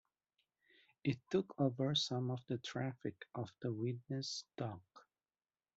It took over some of the traffic of the Widnes Dock.